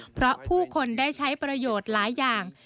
เพราะผู้คนได้ใช้ประโยชน์หลายอย่าง